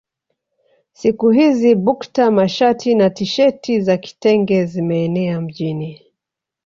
Siku hizi bukta mashati na tisheti za kitenge zimeenea mjini